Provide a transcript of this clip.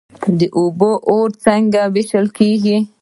د اوبو وار څنګه ویشل کیږي؟